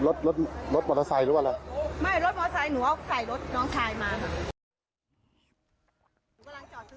รถรถมอเตอร์ไซค์หรือว่าอะไรไม่รถมอเตอร์ไซค์หนูเอาใส่รถน้องชายมาค่ะ